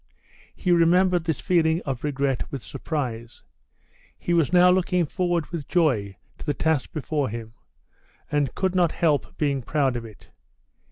He remembered this feeling of regret with surprise; he was now looking forward with joy to the task before him, and could not help being proud of it.